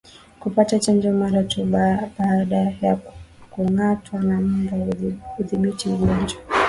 Kupata chanjo mara tu baada ya kungatwa na mbwa hudhibiti ugonjwa